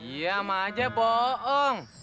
iya mah aja bohong